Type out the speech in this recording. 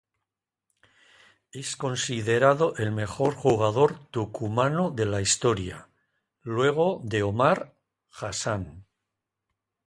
Es considerado el mejor jugador tucumano de la historia, luego de Omar Hasan.